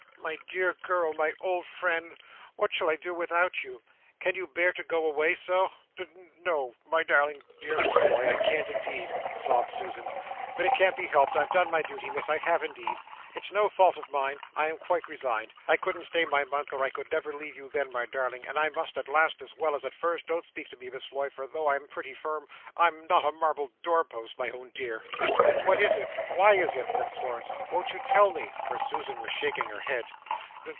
"My dear girl, my old friend! What shall I do without you! Can you bear to go away so?" "No n o o, my darling dear Miss Floy, I can't indeed," sobbed Susan. "But it can't be helped, I've done my duty, Miss, I have indeed. It's no fault of mine. I am quite resigned. I couldn't stay my month or I could never leave you then my darling and I must at last as well as at first, don't speak to me Miss Floy, for though I'm pretty firm I'm not a marble doorpost, my own dear." "What is it? Why is it?" said Florence, "Won't you tell me?" For Susan was shaking her head.